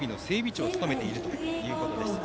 長を務めているということです。